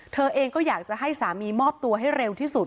เธอเองก็อยากจะให้สามีมอบตัวให้เร็วที่สุด